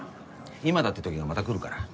今だ！ってときがまた来るから。